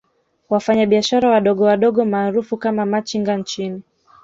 Wafanya biashara wadogo wadogo maarufu kama Machinga nchini